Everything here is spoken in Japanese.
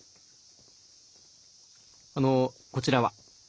あのこちらは？